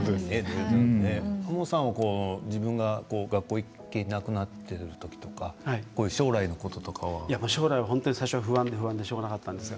亞門さんは自分が学校に行けなくなっている時とか将来は最初、不安でしょうがなかったんですよ。